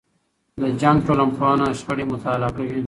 د جنګ ټولنپوهنه شخړې مطالعه کوي.